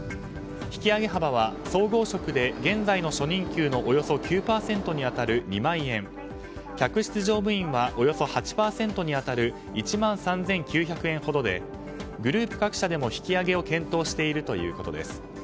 引き上げ幅は総合職で現在の初任給のおよそ９％に当たる２万円客室乗務員はおよそ８％に当たる１万３９００円ほどでグループ各社でも引き上げを検討しているということです。